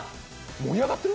盛り上がってる？